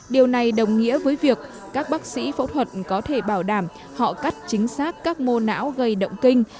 điều này đồng nghĩa với việc các bác sĩ phẫu thuật có thể bảo đảm họ cắt chính xác các mô não gây động kinh